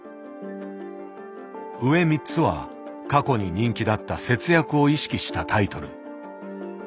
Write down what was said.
上３つは過去に人気だった節約を意識したタイトル。